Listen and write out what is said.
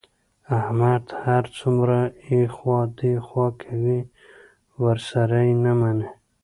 احمد هر څومره ایخوا دیخوا کوي، ورسره یې نه مني.